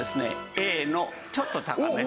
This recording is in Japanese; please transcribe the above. Ａのちょっと高めと。